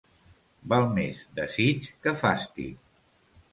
Val més desig que fastig.